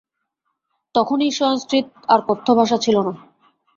তখনই সংস্কৃত আর কথ্যভাষা ছিল না।